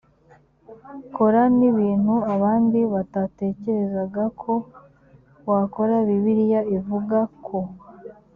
kora n ibintu abandi batatekerezaga ko wakora bibiliya ivuga ko